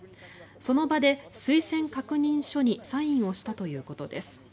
その場で推薦確認書にサインをしたということです。